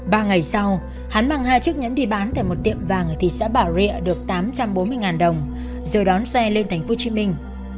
ba ngày sau hắn mang hai chiếc nhẫn đi bán tại một tiệm vàng ở thị xã bà rịa được tám trăm bốn mươi đồng rồi đón xe lên thành phố hồ chí minh